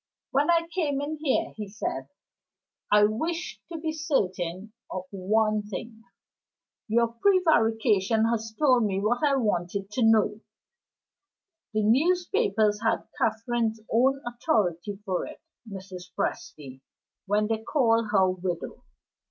"When I came in here," he said, "I wished to be certain of one thing. Your prevarication has told me what I wanted to know. The newspapers had Catherine's own authority for it, Mrs. Presty, when they called her widow.